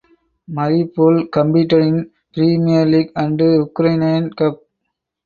Mariupol competed in Premier League and Ukrainian Cup.